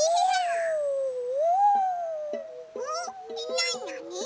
なになに？